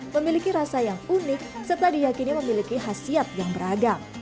memiliki rasa yang unik serta diyakini memiliki khasiat yang beragam